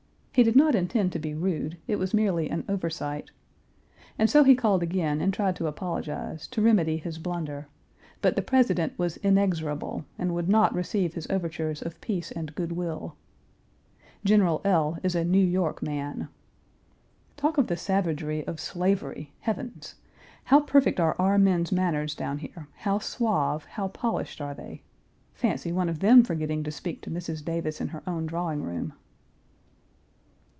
He did not intend to be rude; it was merely an oversight. And so he called again and tried to apologize, to remedy his blunder, but the President was inexorable, and would not receive his overtures of peace and good will. General L is a New York man. Talk of the savagery of slavery, heavens! How perfect are our men's manners down here, how suave, how polished are they. Fancy one of them forgetting to speak to Mrs. Davis in her own drawing room.